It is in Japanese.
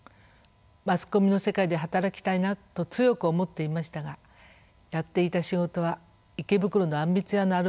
マスコミの世界で働きたいなと強く思っていましたがやっていた仕事は池袋のあんみつ屋のアルバイトでした。